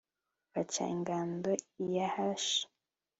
baca ingando i yahashi